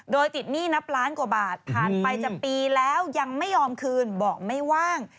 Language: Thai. โดยติดหนี้นับล้านกว่าบาทผ่านไปจะปีแล้วยังไม่ยอมคืนบอกไม่ว่าง